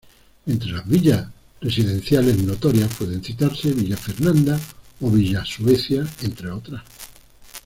Entre las villas residenciales notorias pueden citarse Villa Fernanda o Villa Suecia entre otras.